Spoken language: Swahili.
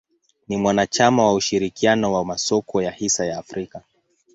Ni mwanachama wa ushirikiano wa masoko ya hisa ya Afrika.